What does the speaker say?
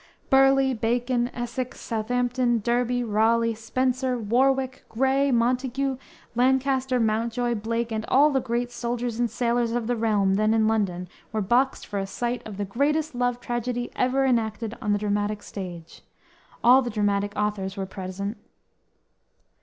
Burleigh, Bacon, Essex, Southampton, Derby, Raleigh, Spenser, Warwick, Gray, Montague, Lancaster, Mountjoy, Blake, and all the great soldiers and sailors of the realm then in London were boxed for a sight of the greatest love tragedy ever enacted on the dramatic stage. All the dramatic authors were present.